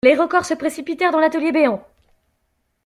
Les recors se précipitèrent dans l'atelier béant.